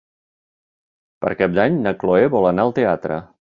Per Cap d'Any na Chloé vol anar al teatre.